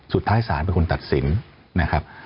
สุดท้ายศาลเป็นคนตัดสินนะครับ